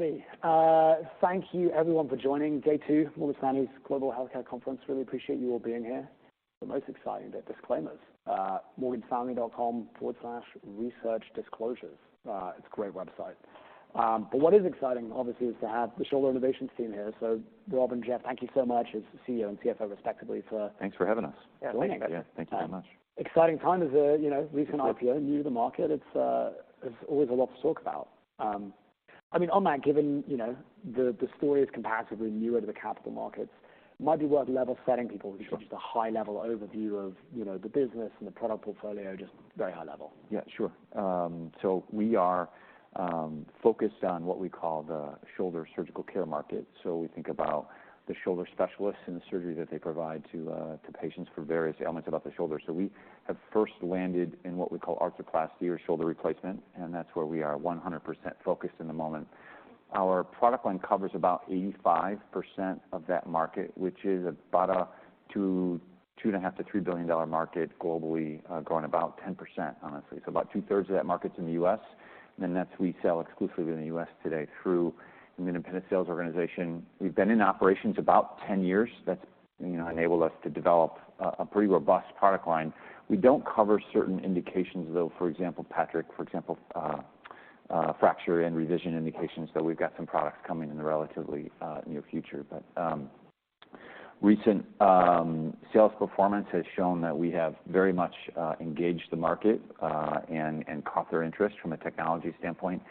Alrighty. Thank you everyone for joining. Day two, Morgan Stanley's Global Healthcare Conference. Really appreciate you all being here. The most exciting bit, disclaimers: morganstanley.com/researchdisclosures. It's a great website, but what is exciting, obviously, is to have the Shoulder Innovations team here, so Rob and Jeff, thank you so much as CEO and CFO, respectively, for— Thanks for having us. Yeah, thank you. Yeah, thank you very much. Exciting time as a, you know, recent IPO, new to the market. It's. There's always a lot to talk about. I mean, on that, given, you know, the story is comparatively newer to the capital markets, it might be worth level-setting people who just want a high-level overview of, you know, the business and the product portfolio, just very high level. Yeah, sure. So we are focused on what we call the shoulder surgical care market. So we think about the shoulder specialists and the surgery that they provide to patients for various ailments about the shoulder. So we have first landed in what we call arthroplasty or shoulder replacement, and that's where we are 100% focused in the moment. Our product line covers about 85% of that market, which is about a $2, $2.5-$3 billion market globally, growing about 10%, honestly. So about two-thirds of that market's in the U.S., and then that's. We sell exclusively in the U.S. today through an independent sales organization. We've been in operations about 10 years. That's, you know, enabled us to develop a pretty robust product line. We don't cover certain indications, though, for example, Patrick, for example, fracture and revision indications, though we've got some products coming in the relatively near future. Recent sales performance has shown that we have very much engaged the market and caught their interest from a technology standpoint.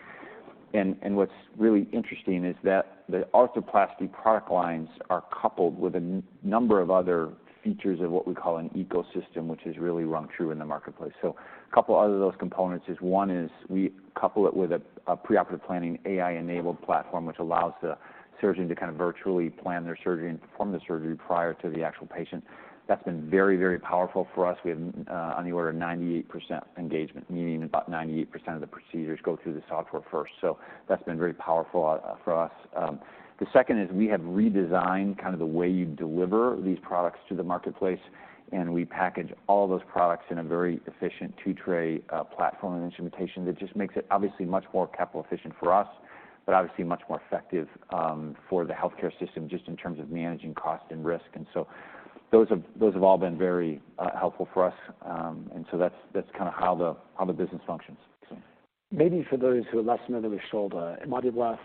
What's really interesting is that the arthroplasty product lines are coupled with a number of other features of what we call an ecosystem, which has really rung true in the marketplace, so a couple other of those components is one is we couple it with a preoperative planning AI-enabled platform, which allows the surgeon to kind of virtually plan their surgery and perform the surgery prior to the actual patient. That's been very, very powerful for us. We have on the order of 98% engagement, meaning about 98% of the procedures go through the software first. So that's been very powerful for us. The second is we have redesigned kind of the way you deliver these products to the marketplace, and we package all those products in a very efficient two-tray platform and instrumentation that just makes it obviously much more capital-efficient for us, but obviously much more effective for the healthcare system just in terms of managing cost and risk. Those have all been very helpful for us. That's kind of how the business functions. Maybe for those who are less familiar with shoulder, it might be worth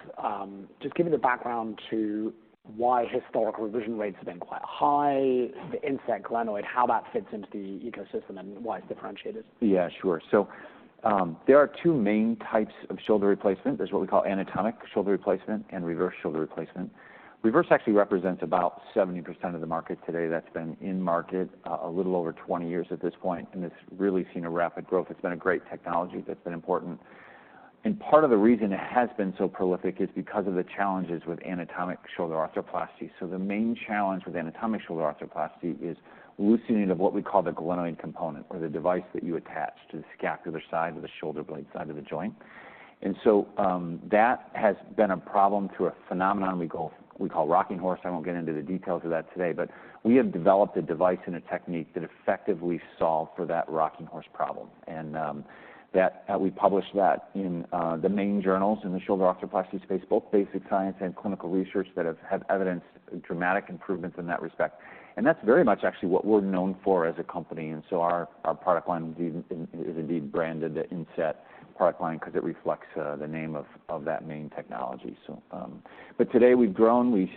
just giving the background to why historical revision rates have been quite high, the InSet Glenoid, how that fits into the ecosystem, and why it's differentiated. Yeah, sure. So, there are two main types of shoulder replacement. There's what we call anatomic shoulder replacement and reverse shoulder replacement. Reverse actually represents about 70% of the market today that's been in market, a little over 20 years at this point, and it's really seen a rapid growth. It's been a great technology that's been important. And part of the reason it has been so prolific is because of the challenges with anatomic shoulder arthroplasty. So the main challenge with anatomic shoulder arthroplasty is loosening of what we call the glenoid component or the device that you attach to the scapular side of the shoulder blade side of the joint. And so, that has been a problem through a phenomenon we call rocking horse. I won't get into the details of that today, but we have developed a device and a technique that effectively solve for that rocking horse problem. That we published that in the main journals in the shoulder arthroplasty space, both basic science and clinical research, that have evidenced dramatic improvements in that respect. That's very much actually what we're known for as a company. Our product line is indeed branded the InSet product line because it reflects the name of that main technology. But today we've grown. We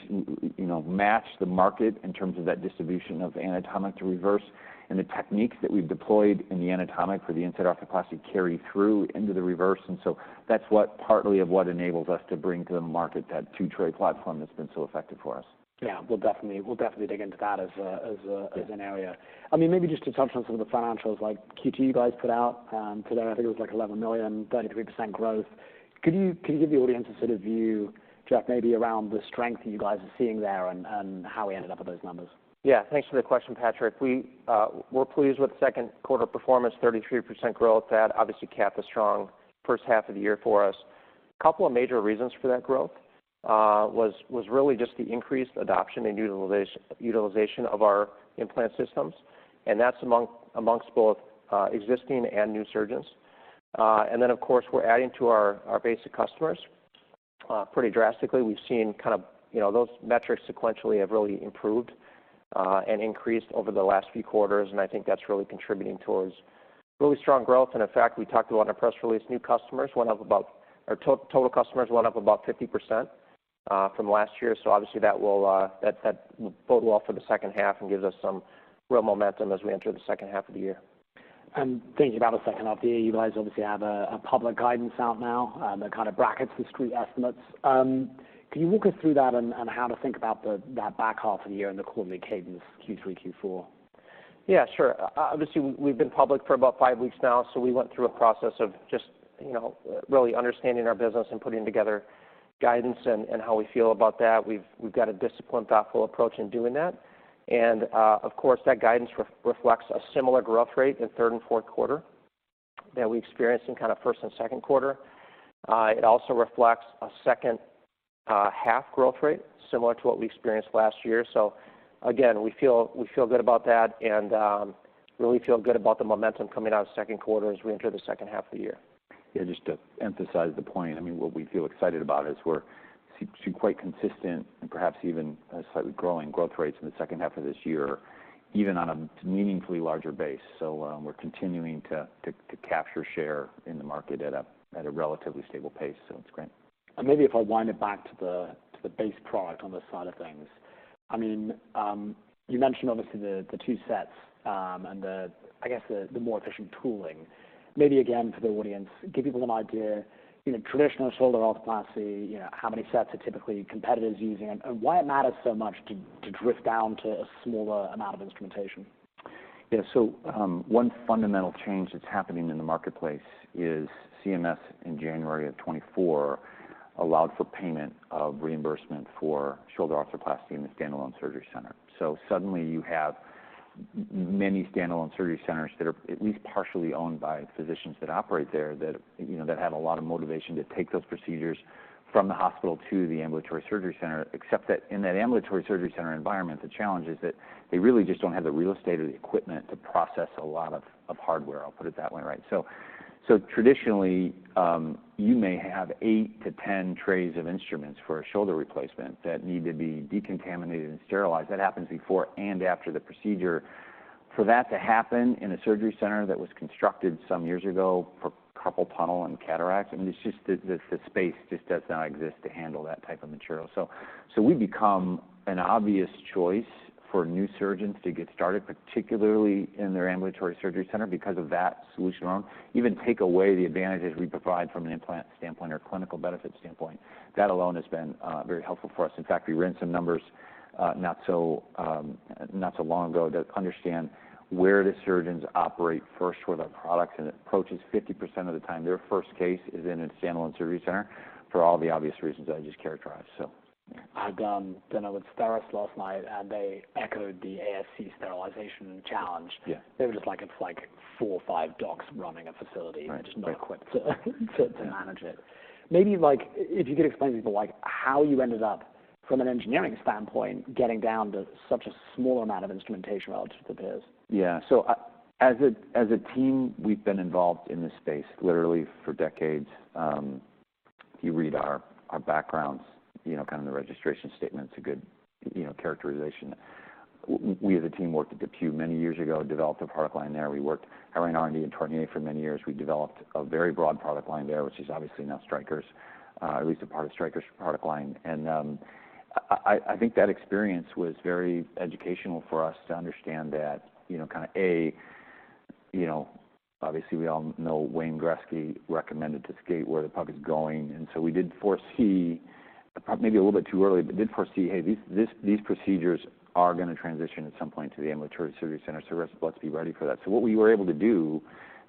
you know match the market in terms of that distribution of anatomic to reverse, and the techniques that we've deployed in the anatomic for the InSet arthroplasty carry through into the reverse. And so that's part of what enables us to bring to the market that two-tray platform that's been so effective for us. Yeah, we'll definitely dig into that. Yeah. As an area. I mean, maybe just to touch on some of the financials, like Q2 you guys put out, today, I think it was like $11 million, 33% growth. Could you, could you give the audience a sort of view, Jeff, maybe around the strength that you guys are seeing there and, and how we ended up with those numbers? Yeah, thanks for the question, Patrick. We, we're pleased with second quarter performance, 33% growth. That, obviously, capped a strong first half of the year for us. A couple of major reasons for that growth was really just the increased adoption and utilization of our implant systems, and that's amongst both existing and new surgeons. Then, of course, we're adding to our base customers pretty drastically. We've seen kind of, you know, those metrics sequentially have really improved and increased over the last few quarters, and I think that's really contributing towards really strong growth. In fact, we talked about in a press release, new customers went up about our total customers went up about 50% from last year. So obviously that will bode well for the second half and gives us some real momentum as we enter the second half of the year. Thinking about the second half of the year, you guys obviously have a public guidance out now that kind of brackets the street estimates. Can you walk us through that and how to think about the back half of the year and the quarterly cadence Q3, Q4? Yeah, sure. Obviously we've been public for about five weeks now, so we went through a process of just, you know, really understanding our business and putting together guidance and how we feel about that. We've got a disciplined, thoughtful approach in doing that. And, of course, that guidance reflects a similar growth rate in third and fourth quarter that we experienced in kind of first and second quarter. It also reflects a second half growth rate similar to what we experienced last year. So again, we feel good about that and really feel good about the momentum coming out of second quarter as we enter the second half of the year. Yeah, just to emphasize the point, I mean, what we feel excited about is we're seeing quite consistent and perhaps even a slightly growing growth rates in the second half of this year, even on a meaningfully larger base. So, we're continuing to capture share in the market at a relatively stable pace, so it's great. Maybe if I wind it back to the base product on this side of things, I mean, you mentioned obviously the two sets, and I guess the more efficient tooling. Maybe again for the audience, give people an idea, you know, traditional shoulder arthroplasty, you know, how many sets are typically competitors using, and why it matters so much to drift down to a smaller amount of instrumentation. Yeah, so one fundamental change that's happening in the marketplace is CMS in January of 2024 allowed for payment of reimbursement for shoulder arthroplasty in the standalone surgery center. So suddenly you have many standalone surgery centers that are at least partially owned by physicians that operate there that, you know, that have a lot of motivation to take those procedures from the hospital to the ambulatory surgery center, except that in that ambulatory surgery center environment, the challenge is that they really just don't have the real estate or the equipment to process a lot of hardware. I'll put it that way, right? So traditionally, you may have eight to 10 trays of instruments for a shoulder replacement that need to be decontaminated and sterilized. That happens before and after the procedure. For that to happen in a surgery center that was constructed some years ago for carpal tunnel and cataracts, I mean, it's just that the space just does not exist to handle that type of material. So we become an obvious choice for new surgeons to get started, particularly in their ambulatory surgery center, because of that solution alone. Even take away the advantages we provide from an implant standpoint or clinical benefit standpoint, that alone has been very helpful for us. In fact, we ran some numbers not so long ago to understand where do surgeons operate first with our products, and it approaches 50% of the time their first case is in a standalone surgery center for all the obvious reasons I just characterized, so. I had dinner with STERIS last night, and they echoed the ASC sterilization challenge. Yeah. They were just like, It's like four or five docs running a facility. Right. They're just not equipped to manage it. Maybe, like, if you could explain to people, like, how you ended up, from an engineering standpoint, getting down to such a smaller amount of instrumentation relative to peers. Yeah, so as a team, we've been involved in this space literally for decades. If you read our backgrounds, you know, kind of the registration statement's a good, you know, characterization. We as a team worked at DePuy many years ago, developed a product line there. We worked around R&D and Tornier for many years. We developed a very broad product line there, which is obviously now Stryker's, at least a part of Stryker's product line. I think that experience was very educational for us to understand that, you know, kind of, you know, obviously we all know Wayne Gretzky recommended to skate where the puck is going. We did foresee, probably maybe a little bit too early, but did foresee, "Hey, these, this, these procedures are going to transition at some point to the ambulatory surgery center, so let's be ready for that." What we were able to do,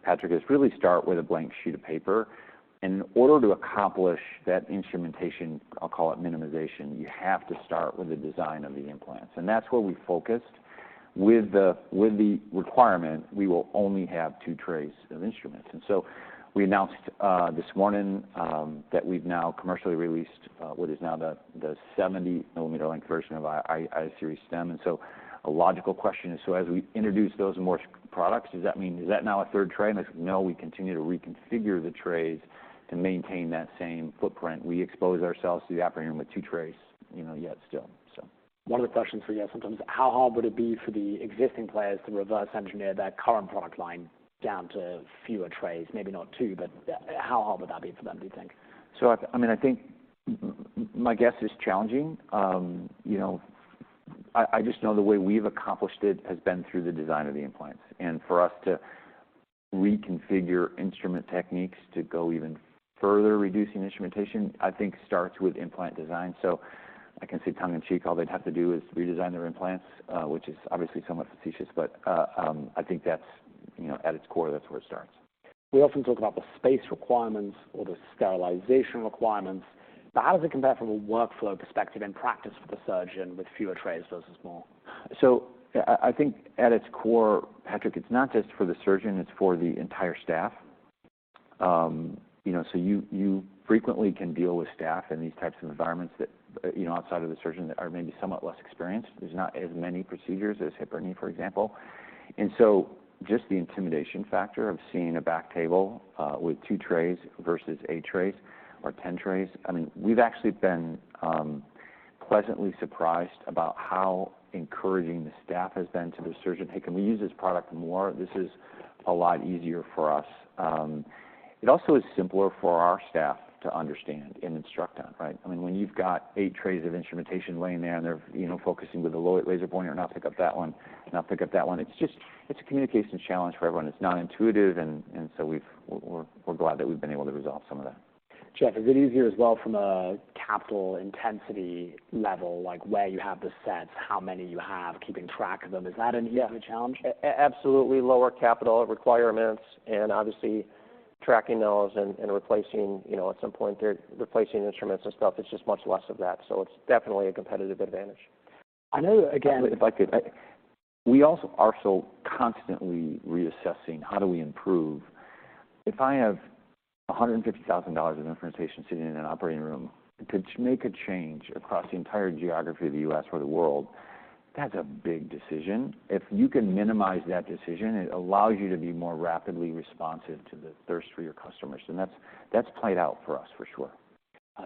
Patrick, is really start with a blank sheet of paper. In order to accomplish that instrumentation, I'll call it minimization, you have to start with the design of the implants. That's where we focused with the, with the requirement we will only have two trays of instruments. We announced, this morning, that we've now commercially released, what is now the, the 70 ml length version of our InSet series stem. A logical question is, so as we introduce those more products, does that mean, is that now a third tray? I said, "No, we continue to reconfigure the trays to maintain that same footprint." We expose ourselves to the operating room with two trays, you know, yet still, so. One of the questions we get sometimes is, how hard would it be for the existing players to reverse engineer their current product line down to fewer trays? Maybe not two, but how hard would that be for them, do you think? So, I mean, I think my guess is challenging, you know. I just know the way we've accomplished it has been through the design of the implants, and for us to reconfigure instrument techniques to go even further reducing instrumentation, I think, starts with implant design, so I can say tongue in cheek, all they'd have to do is redesign their implants, which is obviously somewhat facetious, but I think that's, you know, at its core, that's where it starts. We often talk about the space requirements or the sterilization requirements, but how does it compare from a workflow perspective and practice for the surgeon with fewer trays versus more? So I think at its core, Patrick, it's not just for the surgeon, it's for the entire staff, you know, so you frequently can deal with staff in these types of environments that, you know, outside of the surgeon, that are maybe somewhat less experienced. There's not as many procedures as hip or knee, for example, and so just the intimidation factor of seeing a back table with two trays versus eight trays or 10 trays. I mean, we've actually been pleasantly surprised about how encouraging the staff has been to the surgeon. "Hey, can we use this product more? This is a lot easier for us." It also is simpler for our staff to understand and instruct on, right? I mean, when you've got eight trays of instrumentation laying there and they're, you know, focusing with a low-weight laser point or not pick up that one, not pick up that one. It's just, it's a communications challenge for everyone. It's not intuitive, and so we're glad that we've been able to resolve some of that. Jeff, is it easier as well from a capital intensity level, like where you have the sets, how many you have, keeping track of them? Is that an easier challenge? Yeah, absolutely lower capital requirements, and obviously tracking those and replacing, you know, at some point they're replacing instruments and stuff. It's just much less of that. So it's definitely a competitive advantage. I know again. If I could, we also are still constantly reassessing how do we improve. If I have $150,000 of instrumentation sitting in an operating room to make a change across the entire geography of the U.S. or the world, that's a big decision. If you can minimize that decision, it allows you to be more rapidly responsive to the thirst for your customers, and that's played out for us for sure.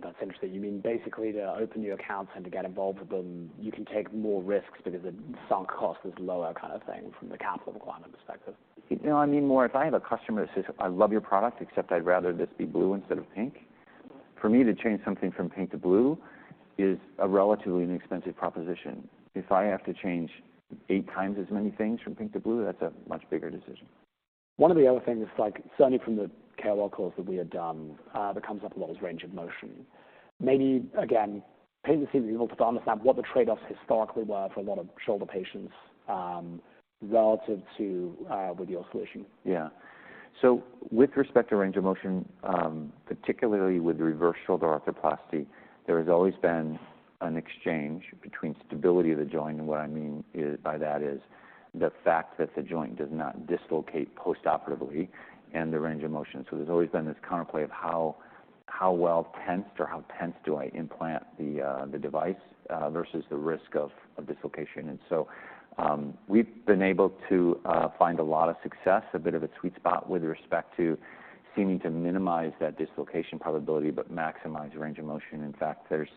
That's interesting. You mean basically to open new accounts and to get involved with them, you can take more risks because the sunk cost is lower kind of thing from the capital requirement perspective? You know, I mean more if I have a customer that says, "I love your product, except I'd rather this be blue instead of pink." For me to change something from pink to blue is a relatively inexpensive proposition. If I have to change eight times as many things from pink to blue, that's a much bigger decision. One of the other things, like certainly from the KOL calls that we had done, that comes up a lot was range of motion. Maybe again, people seem to be able to understand what the trade-offs historically were for a lot of shoulder patients, relative to, with your solution. Yeah. So with respect to range of motion, particularly with reverse shoulder arthroplasty, there has always been an exchange between stability of the joint. And what I mean by that is the fact that the joint does not dislocate postoperatively and the range of motion. So there's always been this counterplay of how well tensed or how tense do I implant the device, versus the risk of dislocation. And so, we've been able to find a lot of success, a bit of a sweet spot with respect to seeming to minimize that dislocation probability but maximize range of motion. In fact, there's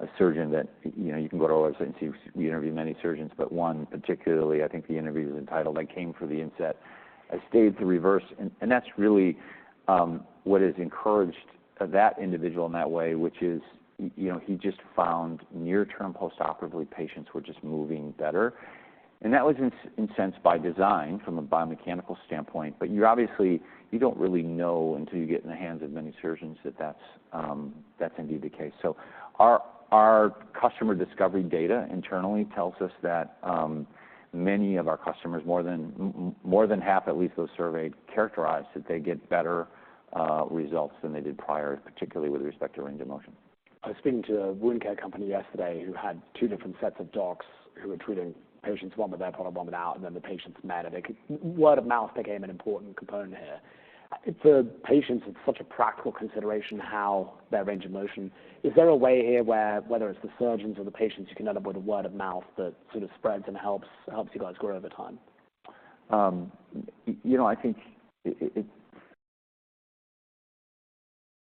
a surgeon that, you know, you can go to all those and see we interview many surgeons, but one particularly, I think the interview was entitled, I came for the InSet. I stayed true to reverse, and that's really what has encouraged that individual in that way, which is, you know, he just found near-term postoperatively patients were just moving better. And that was incentivized by design from a biomechanical standpoint, but you obviously you don't really know until you get in the hands of many surgeons that that's indeed the case. So our customer discovery data internally tells us that many of our customers, more than half at least those surveyed, characterized that they get better results than they did prior, particularly with respect to range of motion. I was speaking to a wound care company yesterday who had two different sets of docs who were treating patients, one with their product, one without, and then the patients met, and the word of mouth became an important component here. For patients, it's such a practical consideration how their range of motion. Is there a way here where, whether it's the surgeons or the patients, you can end up with a word of mouth that sort of spreads and helps, helps you guys grow over time? You know, I think it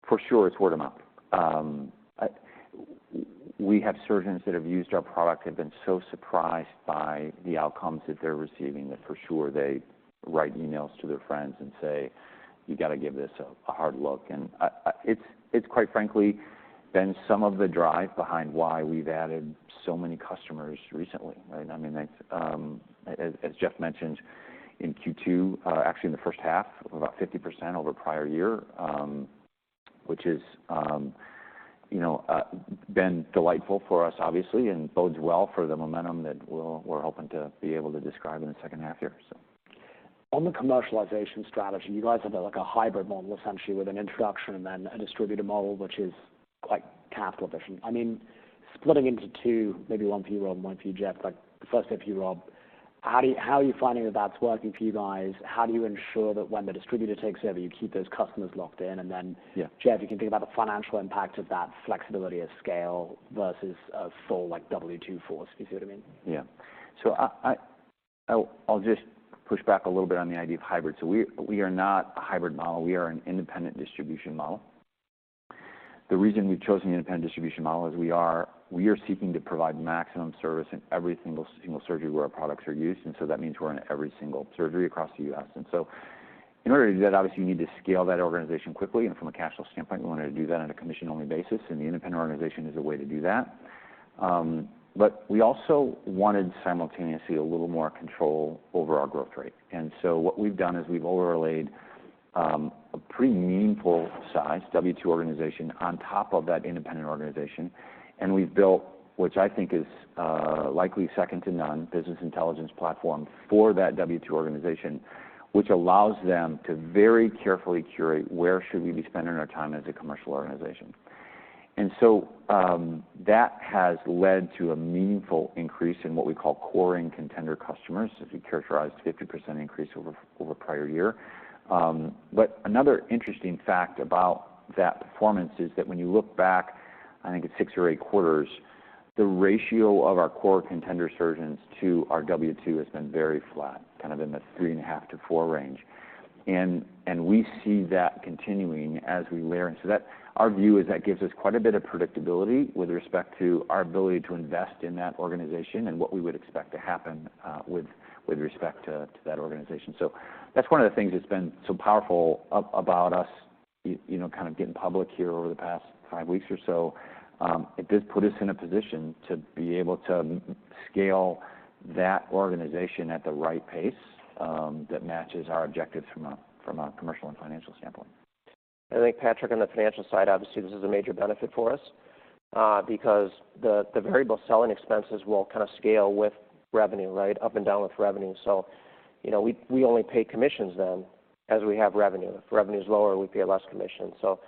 for sure it's word of mouth. We have surgeons that have used our product, have been so surprised by the outcomes that they're receiving that for sure they write emails to their friends and say, "You gotta give this a hard look." And it's quite frankly been some of the drive behind why we've added so many customers recently, right? I mean, that's as Jeff mentioned in Q2, actually in the first half, about 50% over prior year, which is, you know, been delightful for us obviously and bodes well for the momentum that we're hoping to be able to describe in the second half here, so. On the commercialization strategy, you guys have a, like a hybrid model essentially with an introduction and then a distributed model, which is quite capital efficient. I mean, splitting into two, maybe one for you, Rob, and one for you, Jeff, like the first step for you, Rob, how do you, how are you finding that that's working for you guys? How do you ensure that when the distributor takes over, you keep those customers locked in? And then. Yeah. Jeff, you can think about the financial impact of that flexibility of scale versus a full, like, W-2 force. You see what I mean? Yeah. So I'll just push back a little bit on the idea of hybrid. So we are not a hybrid model. We are an independent distribution model. The reason we've chosen the independent distribution model is we are seeking to provide maximum service in every single surgery where our products are used. And so that means we're in every single surgery across the U.S. And so in order to do that, obviously you need to scale that organization quickly. And from a cash flow standpoint, we wanted to do that on a commission-only basis. And the independent organization is a way to do that. But we also wanted simultaneously a little more control over our growth rate. And so what we've done is we've overlaid a pretty meaningful size W-2 organization on top of that independent organization. And we've built, which I think is likely second to none, business intelligence platform for that W-2 organization, which allows them to very carefully curate where should we be spending our time as a commercial organization. And so, that has led to a meaningful increase in what we call core and contender customers, as we characterized 50% increase over prior year. But another interesting fact about that performance is that when you look back, I think it's six or eight quarters, the ratio of our core contender surgeons to our W-2 has been very flat, kind of in the three and a half to four range. And we see that continuing as we layer. And so, that our view is that gives us quite a bit of predictability with respect to our ability to invest in that organization and what we would expect to happen with respect to that organization. So that's one of the things that's been so powerful about us, you know, kind of getting public here over the past five weeks or so. It does put us in a position to be able to scale that organization at the right pace that matches our objectives from a commercial and financial standpoint. I think, Patrick, on the financial side, obviously this is a major benefit for us, because the variable selling expenses will kind of scale with revenue, right? Up and down with revenue. So, you know, we only pay commissions then as we have revenue. If revenue's lower, we pay less commission. So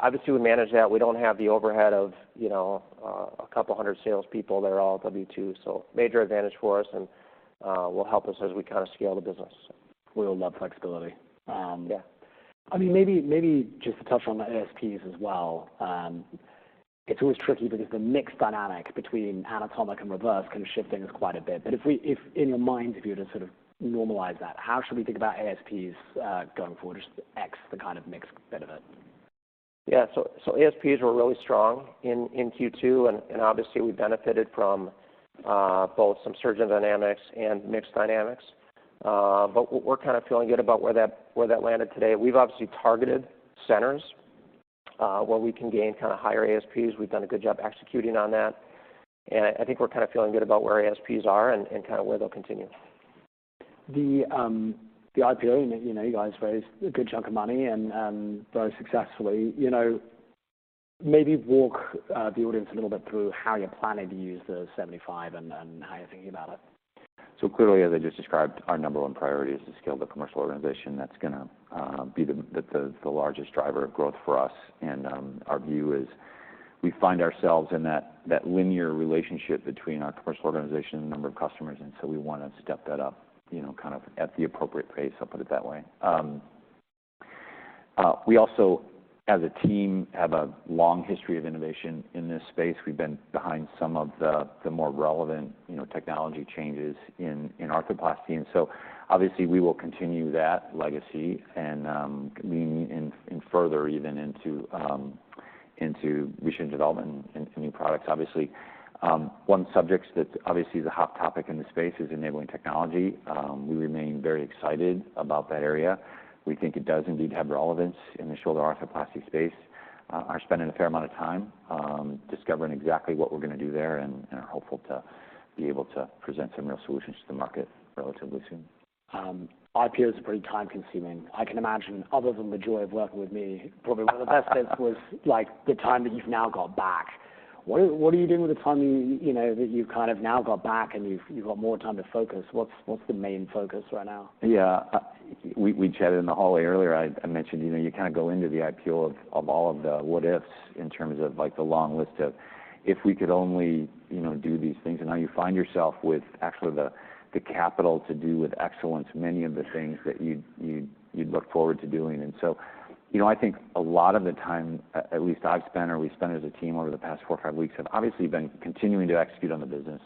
obviously we manage that. We don't have the overhead of, you know, a couple hundred salespeople. They're all W-2. So major advantage for us and will help us as we kind of scale the business. We all love flexibility. Yeah. I mean, maybe, maybe just to touch on the ASPs as well. It's always tricky because the mixed dynamic between anatomic and reverse kind of shifting is quite a bit. But if we, if in your mind, if you were to sort of normalize that, how should we think about ASPs, going forward, just ex the kind of mixed bit of it? Yeah. So ASPs were really strong in Q2. And obviously we benefited from both some surgeon dynamics and mixed dynamics. But we're kind of feeling good about where that landed today. We've obviously targeted centers where we can gain kind of higher ASPs. We've done a good job executing on that. And I think we're kind of feeling good about where ASPs are and kind of where they'll continue. The IPO, you know, you guys raised a good chunk of money and very successfully. You know, maybe walk the audience a little bit through how you're planning to use the $75 million and how you're thinking about it? So clearly, as I just described, our number one priority is to scale the commercial organization. That's gonna be the largest driver of growth for us. And our view is we find ourselves in that linear relationship between our commercial organization and number of customers. And so we want to step that up, you know, kind of at the appropriate pace. I'll put it that way. We also, as a team, have a long history of innovation in this space. We've been behind some of the more relevant, you know, technology changes in arthroplasty. And so obviously we will continue that legacy and lean in further even into implant development and new products. Obviously, one subject that obviously is a hot topic in the space is enabling technology. We remain very excited about that area. We think it does indeed have relevance in the shoulder arthroplasty space. We're spending a fair amount of time, discovering exactly what we're gonna do there and are hopeful to be able to present some real solutions to the market relatively soon. IPOs are pretty time-consuming. I can imagine other than the joy of working with me, probably one of the best bits was like the time that you've now got back. What are you doing with the time that you know, that you've kind of now got back and you've got more time to focus? What's the main focus right now? Yeah. We chatted in the hallway earlier. I mentioned, you know, you kind of go into the IPO of all of the what-ifs in terms of like the long list of if we could only, you know, do these things. And now you find yourself with actually the capital to do with excellence many of the things that you'd look forward to doing. And so, you know, I think a lot of the time, at least I've spent or we spent as a team over the past four, five weeks have obviously been continuing to execute on the business,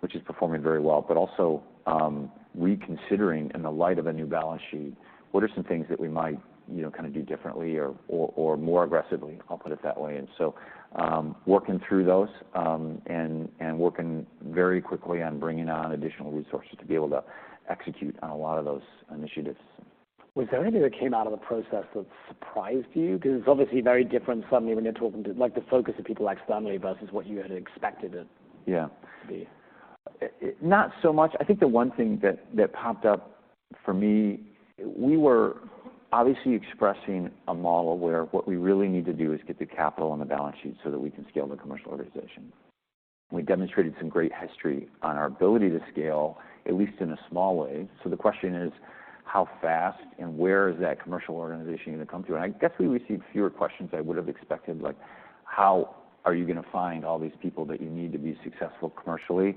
which is performing very well, but also reconsidering in the light of a new balance sheet, what are some things that we might, you know, kind of do differently or more aggressively. I'll put it that way. And so, working through those and working very quickly on bringing on additional resources to be able to execute on a lot of those initiatives. Was there anything that came out of the process that surprised you? Because it's obviously very different suddenly when you're talking to like the focus of people externally versus what you had expected it. Yeah. To be. Not so much. I think the one thing that, that popped up for me, we were obviously expressing a model where what we really need to do is get the capital on the balance sheet so that we can scale the commercial organization. We demonstrated some great history on our ability to scale, at least in a small way. So the question is how fast and where is that commercial organization gonna come through? And I guess we received fewer questions I would've expected, like how are you gonna find all these people that you need to be successful commercially?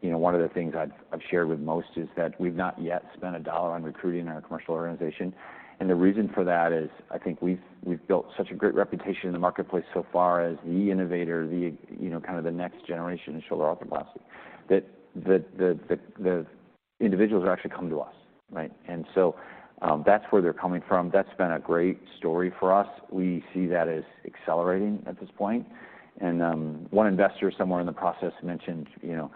You know, one of the things I've shared with most is that we've not yet spent a dollar on recruiting our commercial organization. And the reason for that is I think we've built such a great reputation in the marketplace so far as the innovator, the, you know, kind of the next generation in shoulder arthroplasty that the individuals are actually come to us, right? And so, that's where they're coming from. That's been a great story for us. We see that as accelerating at this point. And, one investor somewhere in the process mentioned, you know,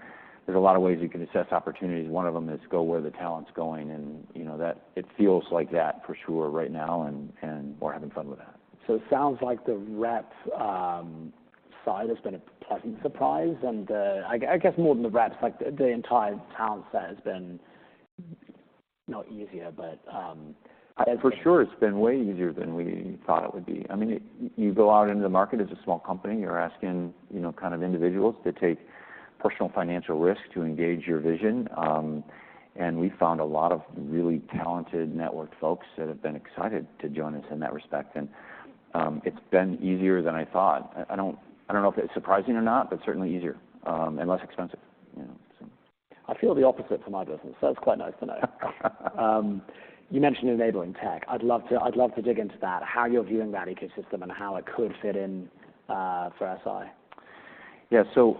there's a lot of ways you can assess opportunities. One of them is go where the talent's going. And, you know, that it feels like that for sure right now and, and we're having fun with that. So it sounds like the rep side has been a pleasant surprise. And I guess more than the reps, like the entire talent set has been not easier, but For sure, it's been way easier than we thought it would be. I mean, you go out into the market as a small company. You're asking, you know, kind of individuals to take personal financial risk to engage your vision, and we found a lot of really talented networked folks that have been excited to join us in that respect, and it's been easier than I thought. I don't know if it's surprising or not, but certainly easier, and less expensive, you know, so. I feel the opposite for my business, so that's quite nice to know. You mentioned enabling tech. I'd love to, I'd love to dig into that, how you're viewing that ecosystem and how it could fit in, for SI. Yeah. So,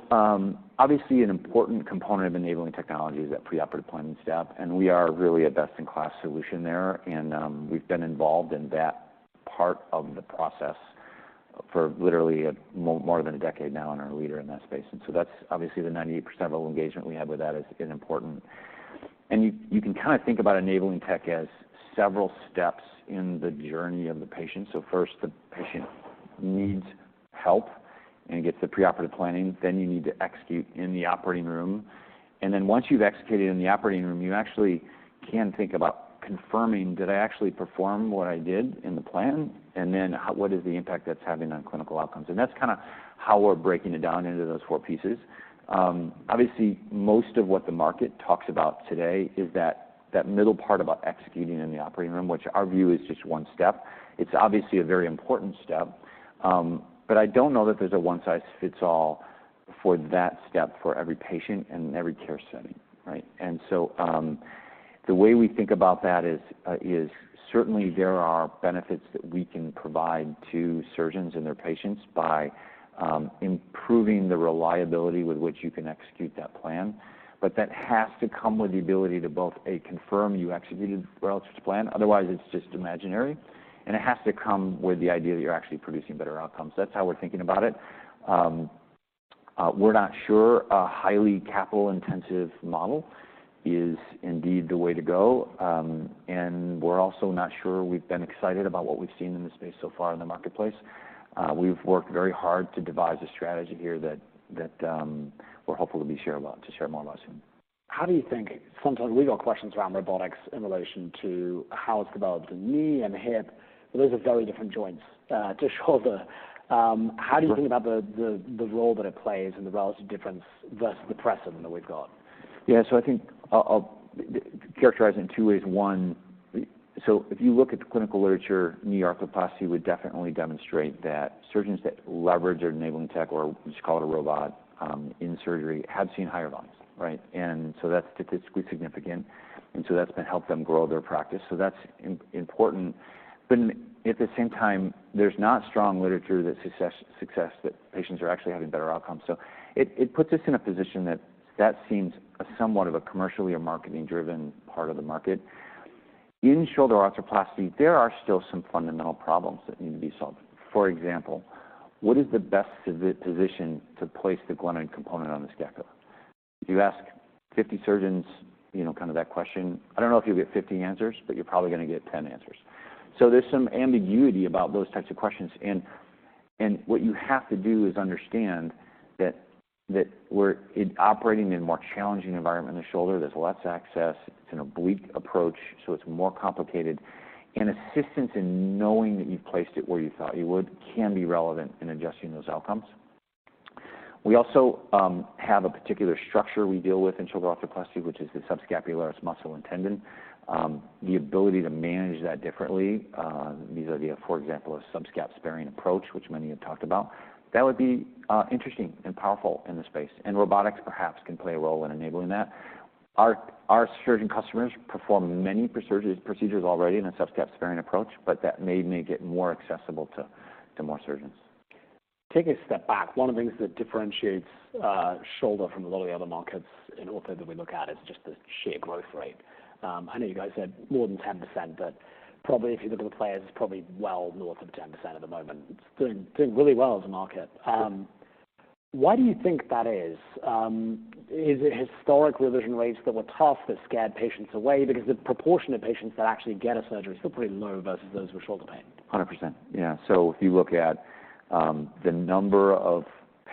obviously an important component of enabling technology is that pre-operative planning step. And we are really a best-in-class solution there. And, we've been involved in that part of the process for literally more than a decade now and are a leader in that space. And so that's obviously the 98% of all engagement we have with that is important. And you can kind of think about enabling tech as several steps in the journey of the patient. So first, the patient needs help and gets the pre-operative planning. Then you need to execute in the operating room. And then once you've executed in the operating room, you actually can think about confirming, did I actually perform what I did in the plan? And then how, what is the impact that's having on clinical outcomes? That's kind of how we're breaking it down into those four pieces. Obviously most of what the market talks about today is that middle part about executing in the operating room, which our view is just one step. It's obviously a very important step. But I don't know that there's a one-size-fits-all for that step for every patient and every care setting, right? And so, the way we think about that is certainly there are benefits that we can provide to surgeons and their patients by improving the reliability with which you can execute that plan. But that has to come with the ability to both A, confirm you executed well to the plan. Otherwise, it's just imaginary. And it has to come with the idea that you're actually producing better outcomes. That's how we're thinking about it. We're not sure a highly capital-intensive model is indeed the way to go, and we're also not sure we've been excited about what we've seen in the space so far in the marketplace. We've worked very hard to devise a strategy here that we're hopeful to share more about soon. How do you think sometimes we've got questions around robotics in relation to how it's developed in knee and hip, but those are very different joints, to shoulder. How do you think about the role that it plays and the relative difference versus the presence that we've got? Yeah. So I think I'll characterize it in two ways. One, so if you look at the clinical literature, knee arthroplasty would definitely demonstrate that surgeons that leverage or enabling tech or just call it a robot in surgery have seen higher volumes, right? And so that's statistically significant. And so that's helped them grow their practice. So that's important. But at the same time, there's not strong literature that success that patients are actually having better outcomes. So it puts us in a position that seems somewhat of a commercially or marketing-driven part of the market. In shoulder arthroplasty, there are still some fundamental problems that need to be solved. For example, what is the best position to place the glenoid component on the scapula? If you ask 50 surgeons, you know, kind of that question, I don't know if you'll get 50 answers, but you're probably gonna get 10 answers. So there's some ambiguity about those types of questions. And what you have to do is understand that we're operating in a more challenging environment in the shoulder. There's less access. It's an oblique approach, so it's more complicated. And assistance in knowing that you've placed it where you thought you would can be relevant in adjusting those outcomes. We also have a particular structure we deal with in shoulder arthroplasty, which is the subscapularis muscle and tendon. The ability to manage that differently, these are the, for example, a subscap sparing approach, which many have talked about. That would be interesting and powerful in the space. And robotics perhaps can play a role in enabling that. Our surgeon customers perform many procedures already in a subscap sparing approach, but that may get more accessible to more surgeons. Taking a step back, one of the things that differentiates Shoulder from a lot of the other markets in ortho that we look at is just the sheer growth rate. I know you guys said more than 10%, but probably if you look at the players, it's probably well north of 10% at the moment. It's doing really well as a market. Why do you think that is? Is it historic revision rates that were tough that scared patients away? Because the proportion of patients that actually get a surgery is still pretty low versus those with shoulder pain. 100%. Yeah. So if you look at the number of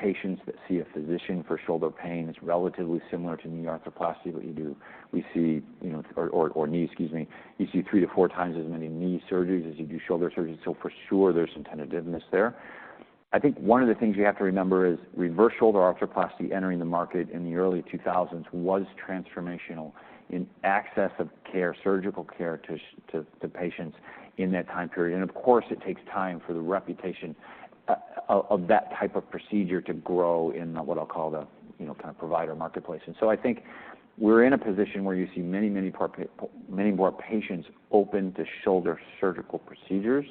patients that see a physician for shoulder pain is relatively similar to knee arthroplasty that you do. We see, you know, excuse me, you see three to four times as many knee surgeries as you do shoulder surgeries. So for sure, there's some tentativeness there. I think one of the things you have to remember is reverse shoulder arthroplasty entering the market in the early 2000s was transformational in access of care, surgical care to patients in that time period. And of course, it takes time for the reputation of that type of procedure to grow in what I'll call the, you know, kind of provider marketplace. And so I think we're in a position where you see many, many more patients open to shoulder surgical procedures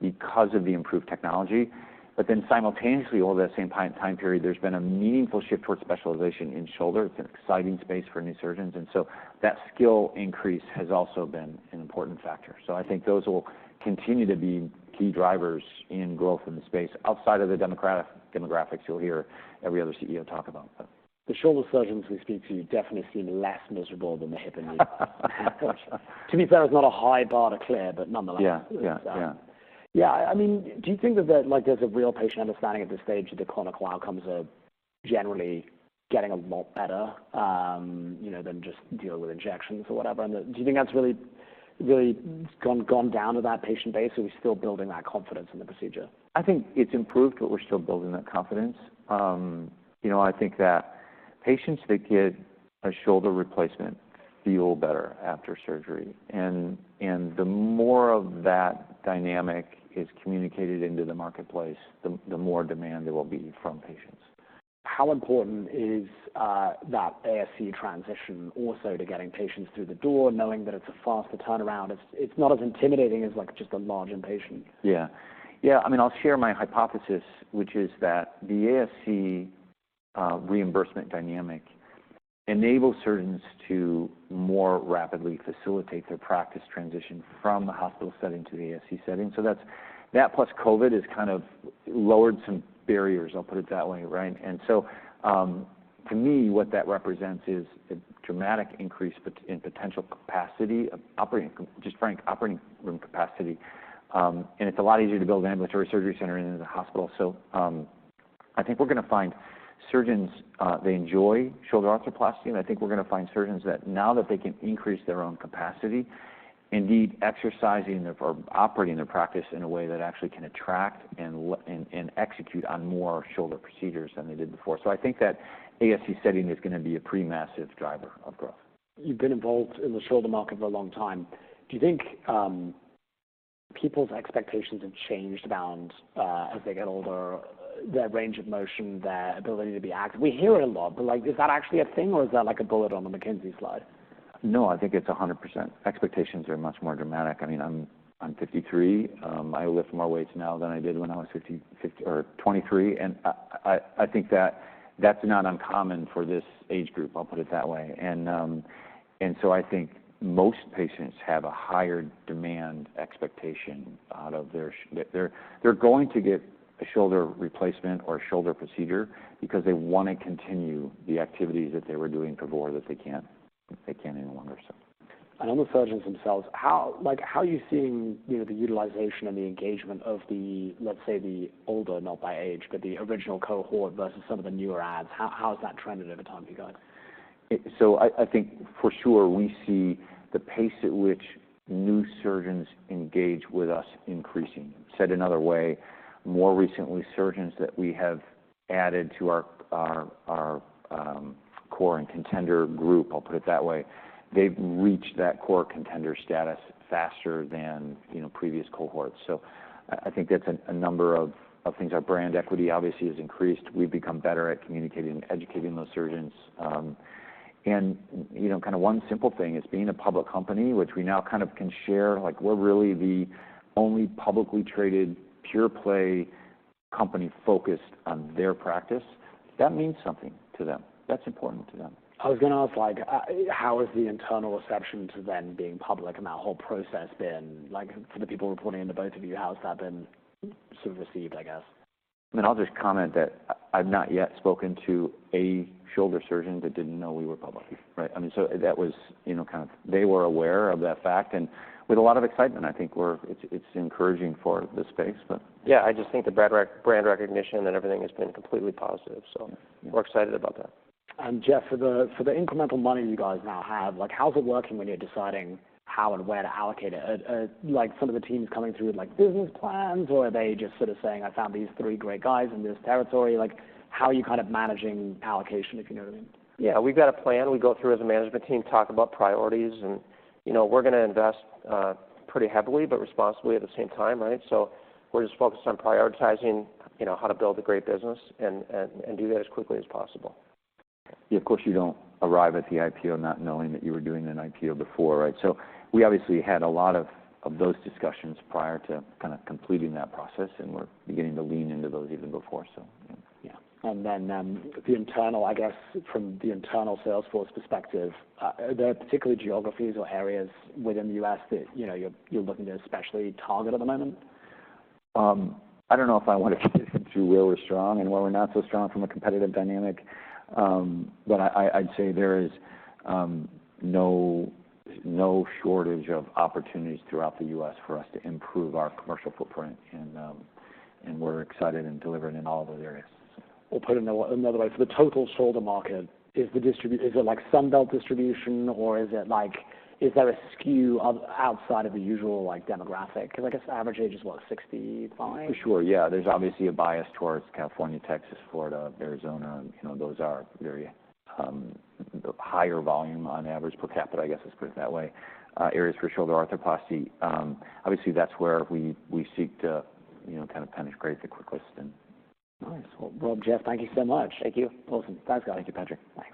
because of the improved technology. But then simultaneously, over that same time period, there's been a meaningful shift towards specialization in shoulder. It's an exciting space for new surgeons. And so that skill increase has also been an important factor. So I think those will continue to be key drivers in growth in the space outside of the demographics you'll hear every other CEO talk about. The shoulder surgeons we speak to definitely seem less miserable than the hip and knee ones. To be fair, it's not a high bar to clear, but nonetheless. Yeah. Yeah. Yeah. Yeah. I mean, do you think that there, like, there's a real patient understanding at this stage that the clinical outcomes are generally getting a lot better, you know, than just dealing with injections or whatever? And do you think that's really gone down to that patient base? Are we still building that confidence in the procedure? I think it's improved, but we're still building that confidence. You know, I think that patients that get a shoulder replacement feel better after surgery. And the more of that dynamic is communicated into the marketplace, the more demand there will be from patients. How important is that ASC transition also to getting patients through the door, knowing that it's a faster turnaround? It's not as intimidating as like just a large inpatient. Yeah. Yeah. I mean, I'll share my hypothesis, which is that the ASC reimbursement dynamic enables surgeons to more rapidly facilitate their practice transition from the hospital setting to the ASC setting. So that's that plus COVID has kind of lowered some barriers. I'll put it that way, right? And so, to me, what that represents is a dramatic increase in potential capacity of operating, just frankly operating room capacity, and it's a lot easier to build an ambulatory surgery center into the hospital. So, I think we're gonna find surgeons. They enjoy shoulder arthroplasty. And I think we're gonna find surgeons that now that they can increase their own capacity, indeed exercising their or operating their practice in a way that actually can attract and execute on more shoulder procedures than they did before. I think that ASC setting is gonna be a pretty massive driver of growth. You've been involved in the shoulder market for a long time. Do you think, people's expectations have changed around, as they get older, their range of motion, their ability to be active? We hear it a lot, but like, is that actually a thing or is that like a bullet on the McKenzie slide? No, I think it's 100%. Expectations are much more dramatic. I mean, I'm 53. I lift more weights now than I did when I was 50 or 23. And I think that that's not uncommon for this age group, I'll put it that way. And so I think most patients have a higher demand expectation out of their, they're going to get a shoulder replacement or a shoulder procedure because they wanna continue the activities that they were doing before that they can't anymore, so. On the surgeons themselves, how, like, how are you seeing, you know, the utilization and the engagement of the, let's say, the older, not by age, but the original cohort versus some of the newer adds? How has that trended over time for you guys? So I think for sure we see the pace at which new surgeons engage with us increasing. Said another way, more recently, surgeons that we have added to our core and contender group, I'll put it that way, they've reached that core contender status faster than, you know, previous cohorts. So I think that's a number of things. Our brand equity obviously has increased. We've become better at communicating and educating those surgeons. And, you know, kind of one simple thing is being a public company, which we now kind of can share, like we're really the only publicly traded pure play company focused on their practice. That means something to them. That's important to them. I was gonna ask, like, how has the internal reception to them being public and that whole process been, like, for the people reporting into both of you, how has that been sort of received, I guess? I mean, I'll just comment that I've not yet spoken to a shoulder surgeon that didn't know we were public, right? I mean, so that was, you know, kind of they were aware of that fact and with a lot of excitement. I think we're, it's, it's encouraging for the space, but. Yeah. I just think the brand recognition and everything has been completely positive. So we're excited about that. And Jeff, for the incremental money you guys now have, like, how's it working when you're deciding how and where to allocate it? Are like some of the teams coming through with like business plans or are they just sort of saying, "I found these three great guys in this territory"? Like, how are you kind of managing allocation, if you know what I mean? Yeah. We've got a plan. We go through as a management team, talk about priorities, and, you know, we're gonna invest pretty heavily but responsibly at the same time, right? So we're just focused on prioritizing, you know, how to build a great business and do that as quickly as possible. Yeah. Of course, you don't arrive at the IPO not knowing that you were doing an IPO before, right? So we obviously had a lot of those discussions prior to kind of completing that process, and we're beginning to lean into those even before, so. Yeah. And then, I guess, from the internal sales force perspective, are there particular geographies or areas within the U.S. that, you know, you're looking to especially target at the moment? I don't know if I wanna get into where we're strong and where we're not so strong from a competitive dynamic, but I'd say there is no shortage of opportunities throughout the U.S. for us to improve our commercial footprint, and we're excited and delivering in all those areas. We'll put it another way. For the total shoulder market, is it like Sunbelt distribution or is it like, is there a skew outside of the usual, like, demographic? 'Cause I guess average age is what, 65? For sure. Yeah. There's obviously a bias towards California, Texas, Florida, Arizona. You know, those are very high volume on average per capita, I guess, let's put it that way, areas for shoulder arthroplasty. Obviously that's where we, we seek to, you know, kind of penetrate the quickest and. Nice. Well, Rob, Jeff, thank you so much. Thank you. Awesome. Thanks, guys. Thank you, Patrick. Thanks.